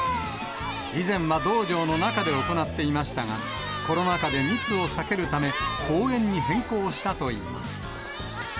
以前は道場の中で行っていましたが、コロナ禍で密を避けるため、公園に変更したといいます。